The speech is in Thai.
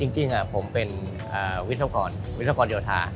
จริงผมเป็นวิศวกรวิศวกรโยธา